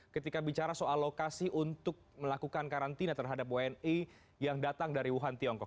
ketika bicara soal lokasi untuk melakukan karantina terhadap wni yang datang dari wuhan tiongkok